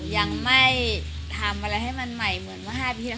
ยังไม่ทำอะไรให้มันใหม่เหมือนเมื่อ๕ปีแล้ว